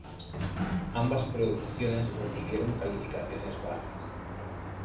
Ambas producciones recibieron calificaciones bajas.